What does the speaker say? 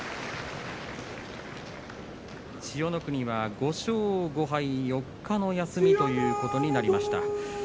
千代の国は５勝５敗、４日の休みになりました。